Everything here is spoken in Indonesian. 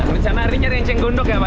rencana hari ini cari yang cenggondok ya pak